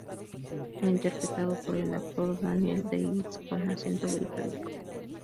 Fue interpretado por el actor Daniel Davis, con acento británico.